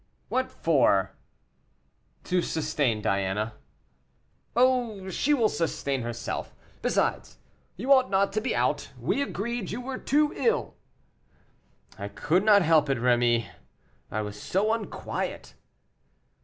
"What for?" "To sustain Diana." "Oh, she will sustain herself. Besides, you ought not to be out; we agreed you were too ill." "I could not help it, Rémy, I was so unquiet."